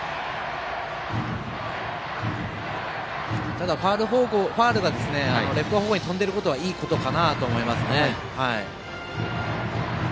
ただ、ファウルがレフト方向に飛んでることはいいことかなと思いますね。